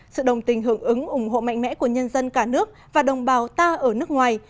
sự đồng tình hưởng ứng ủng hộ mạnh mẽ của nhân dân cả nước và đồng bào ta ở nước ngoài